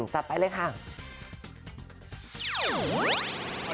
จัดไปเลยค่ะ